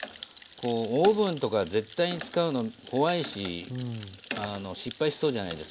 オーブンとか絶対に使うの怖いし失敗しそうじゃないですか。